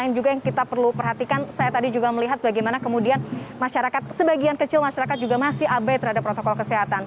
yang juga yang kita perlu perhatikan saya tadi juga melihat bagaimana kemudian masyarakat sebagian kecil masyarakat juga masih abai terhadap protokol kesehatan